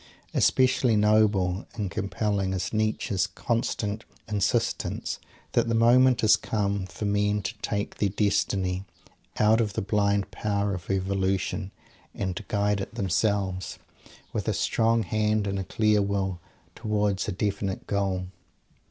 Especially noble and compelling is Nietzsche's constant insistence that the moment has come for men to take their Destiny out of the blind power of Evolution, and to guide it themselves, with a strong hand and a clear will, towards a _definite goal.